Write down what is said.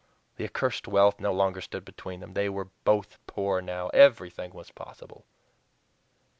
The accursed wealth no longer stood between them. They were both poor now everything was possible.